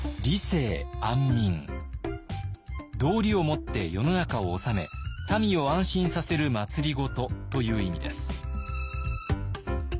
「道理をもって世の中を治め民を安心させる政」という意味です。